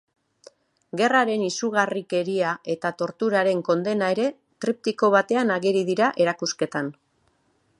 Gerraren izugarrikeria eta torturaren kondena ere triptiko batean ageri dira erakusketan.